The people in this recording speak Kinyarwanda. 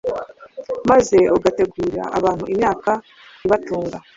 maze ugategurira abantu imyaka ibatunga